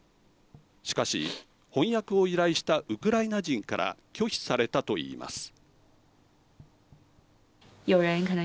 しかし翻訳を依頼したウクライナ人から拒否されたといいます。